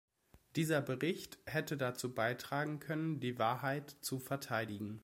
Dieser Bericht hätte dazu beitragen können, die Wahrheit zu verteidigen.